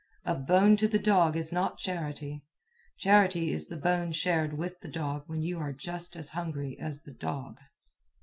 A bone to the dog is not charity. Charity is the bone shared with the dog when you are just as hungry as the dog.